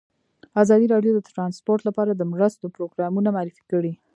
ازادي راډیو د ترانسپورټ لپاره د مرستو پروګرامونه معرفي کړي.